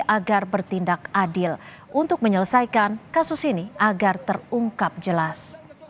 agar bertindak adil untuk menyelesaikan kasus ini agar terungkap jelas